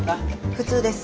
普通です。